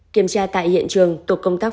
kiểm tra tại hiện trường tục công tác